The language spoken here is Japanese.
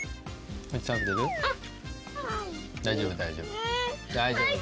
大丈夫大丈夫。